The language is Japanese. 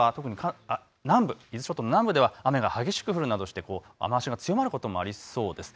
伊豆諸島の南部では雨が激しく降るなどして雨足が強まることもありそうです。